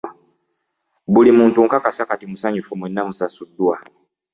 Buli muntu nkakasa kati musanyufu mwenna musasuddwa.